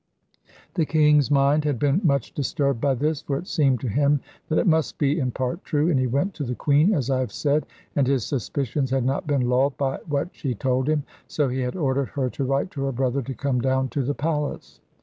The king's mind had been much disturbed by this, for it seemed to him that it must be in part true; and he went to the queen, as I have said, and his suspicions had not been lulled by what she told him, so he had ordered her to write to her brother to come down to the palace.